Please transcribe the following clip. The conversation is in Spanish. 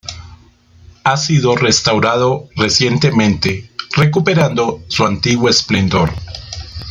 Ha sido restaurado recientemente, recuperando su antiguo esplendor.